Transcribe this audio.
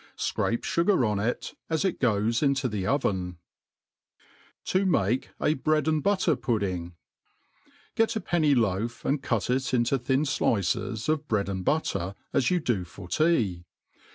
Scrape fugar on it^ as it goe$ iato the oven; To mai/ s Bnad and Buitir Pudding, GET a |x!iiny*loaf, and cut it into thin flicea of bcead an^ fcvtter, as you do for tea.